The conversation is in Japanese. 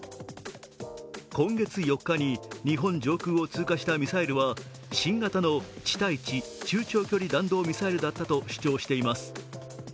今月４日に日本上空を通過したミサイルは新型の地対地中長距離弾道ミサイルだったと主張しています。